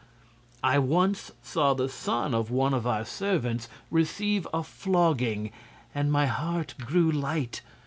I once saw the son of one of our servants receive a flogging; and my heart grew light.